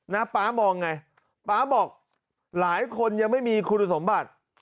ป๊ามองไงป๊าบอกหลายคนยังไม่มีคุณสมบัติ